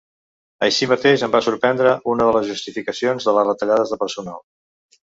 Així mateix, em va sorprendre una de les justificacions de les retallades de personal.